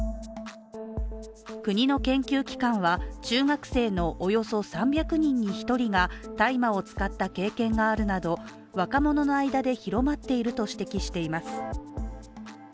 国の研究機関は、中学生のおよそ３００人に１人が、大麻を使った経験があるなど、若者の間で広まっていると指摘しています。